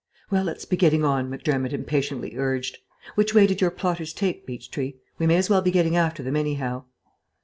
"Well, let's be getting on," Macdermott impatiently urged. "Which way did your plotters take, Beechtree? We may as well be getting after them, anyhow."